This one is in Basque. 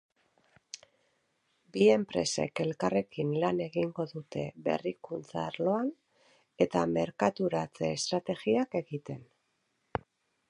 Bi enpresek elkarrekin lan egingo dute berrikuntza arloan eta merkaturatze estrategiak egiten.